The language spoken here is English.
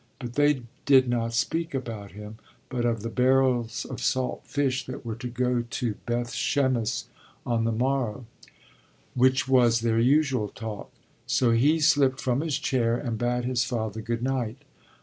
But they did not speak about him but of the barrels of salt fish that were to go to Beth Shemish on the morrow; which was their usual talk. So he slipped from his chair and bade his father good night.